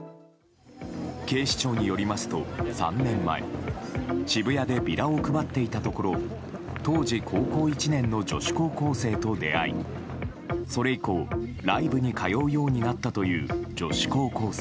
警視庁によりますと３年前渋谷でビラを配っていたところ当時高校１年の女子高校生と出会いそれ以降、ライブに通うようになったという女子高校生。